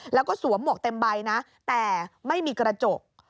แล้วก็สวมหมวกเต็มใบนะแต่ไม่มีกระจก